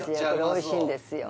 おいしいんですよ